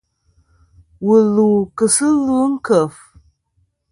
Wù lu kɨ sɨ ɨlvɨ ɨ nkèf.